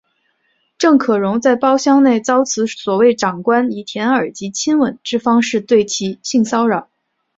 郑可荣在包厢内遭此所谓长官以舔耳及亲吻之方式对其性骚扰。